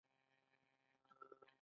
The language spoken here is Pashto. د برق میچنې په ښارونو کې دي.